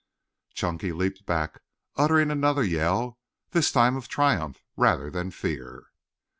Chunky leaped back, uttering another yell, this time of triumph rather than fear.